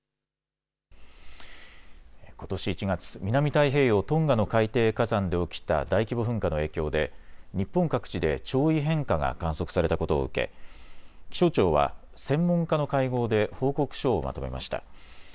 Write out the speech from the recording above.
ことし１月、南太平洋・トンガの海底火山で起きた大規模噴火の影響で日本各地で潮位変化が観測されたことを受け、気象庁は専門家の会合で報告書をまとめました。